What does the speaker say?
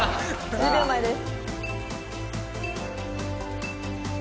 １０秒前です。